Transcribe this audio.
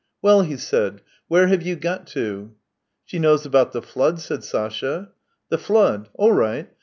" Well," he said; " where have you got to ?"" She knows about the Flood," said Sasha. " The Flood ? All right.